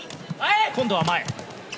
今度は前。